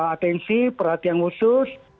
atensi perhatian khusus